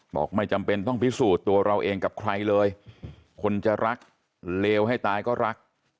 บอกไม่จำเป็นต้องพิสูจน์ตัวเราเองกับใครเลยคนจะรักเลวให้ตายก็รัก